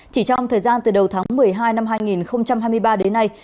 chỉ trong thời gian từ đầu tháng một mươi hai năm hai nghìn hai mươi ba đến nay